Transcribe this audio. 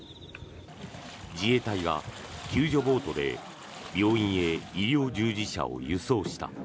自衛隊が救助ボートで病院へ医療従事者を移送した。